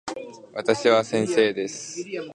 私は先生です。